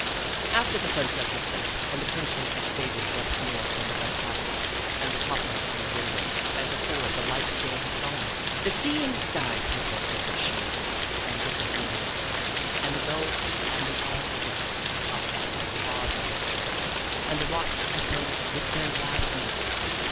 After the sun has set and the crimson has faded once more from the red castle, and the copper from the windows, and before the light of day has gone, the sea and the sky take on different shades and different meanings, and the gulls and the wild ducks come up from far down the shore, and the rocks echo with their wild noises.